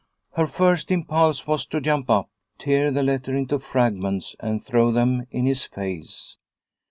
Her first impulse was to jump up, tear the letter into fragments and throw them in his face.